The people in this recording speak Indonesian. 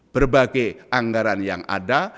berbagai anggaran yang ada